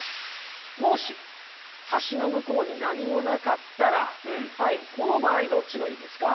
もし橋の向こうに何もなかったらはいこの場合どっちがいいですか？